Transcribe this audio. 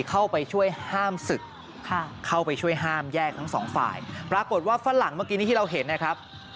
เข้าไปช่วยห้ามศึกเข้าไปช่วยห้ามแยกทั้งสองฝ่ายปรากฏว่าฝรั่งเมื่อกี้นี้ที่เราเห็นนะครับ